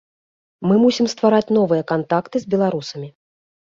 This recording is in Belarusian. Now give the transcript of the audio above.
Мы мусім ствараць новыя кантакты з беларусамі.